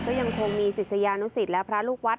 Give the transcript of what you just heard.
ก็ยังคงมีศิษยานุสิตและพระลูกวัด